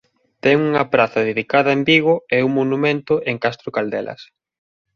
Ten unha praza dedicada en Vigo e un monumento en Castro Caldelas.